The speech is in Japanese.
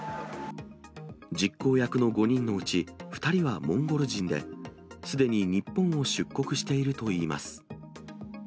実行役の５人のうち２人はモンゴル人で、すでに日本を出国しているといいます。